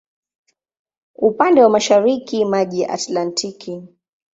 Upande wa mashariki maji ya Atlantiki.